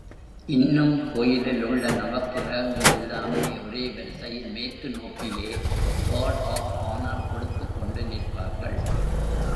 இன்னும் கோயிலில் உள்ள நவக்கிரகங்கள் எல்லாமே ஒரே வரிசையில் மேற்கு நோக்கியே கார்ட் ஆப் ஆனர் கொடுத்துக்கொண்டு நிற்பார்கள்.